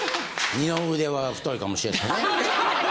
二の腕は太いかもしれないね。